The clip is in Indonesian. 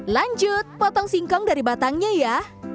lanjut potong singkong dari batangnya ya